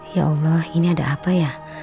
ya allah ini ada apa ya